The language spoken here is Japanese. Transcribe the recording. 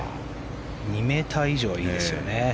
２ｍ以上はいいですよね。